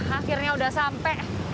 akhirnya udah sampai